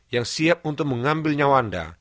yang siap untuk mengambil nyawa anda